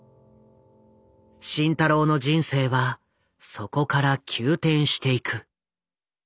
慎太郎の人生はそこから急転していく。